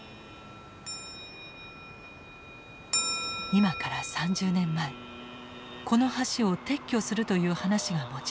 今から３０年前この橋を撤去するという話が持ち上がった。